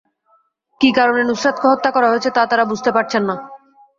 কী কারণে নুসরাতকে হত্যা করা হয়েছে, তা তাঁরা বুঝতে পারছেন না।